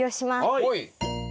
はい。